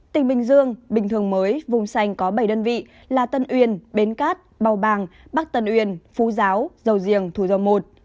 tỉnh bình dương bình thường mới vùng sành có bảy đơn vị là tân uyên bến cát bào bàng bắc tân uyên phú giáo dầu diềng thủ dầu một